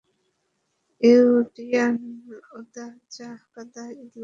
উনডিয়াল, ওদাচা কাদালাই, বোতল মানি, সোডা শেখর, কেমন নাম এসব?